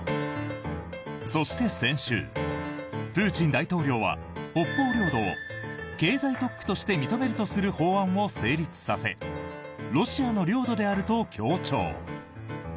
そして先週、プーチン大統領は北方領土を経済特区として認めるとする法案を成立させロシアの領土であると強調。